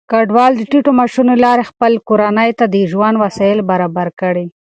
کډوال د ټيټو معاشونو له لارې خپلې کورنۍ ته د ژوند وسايل برابر کړي.